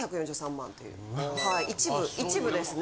はい一部一部ですね。